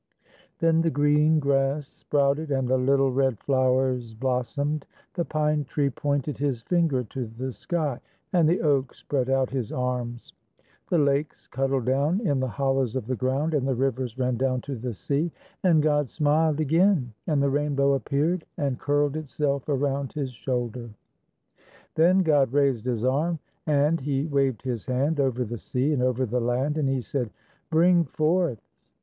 Then the green grass sprouted, And the little red flowers blossomed, The pine tree pointed his finger to the sky, And the oak spread out his arms, The lakes cuddled down in the hollows of the ground, And the rivers ran down to the sea; And God smiled again, And the rainbow appeared, And curled itself around His shoulder. Then God raised His arm and He waved His hand Over the sea and over the land, And He said, _"Bring forth!